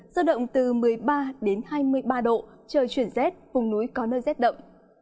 giao động từ một mươi ba đến hai mươi ba độ trời chuyển rét vùng núi có nơi rét đậm